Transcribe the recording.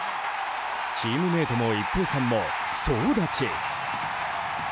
チームメートも、一平さんも総立ち。